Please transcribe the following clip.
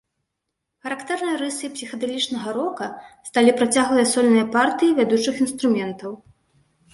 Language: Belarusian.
Характэрнай рысай псіхадэлічнага рока сталі працяглыя сольныя партыі вядучых інструментаў.